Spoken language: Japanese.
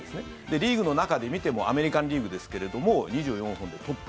リーグの中で見てもアメリカン・リーグですけれども２４本でトップ。